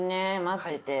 待ってて。